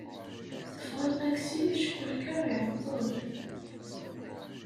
Ṭṭfeɣ aṭaksi acku lkar iɛeṭṭel.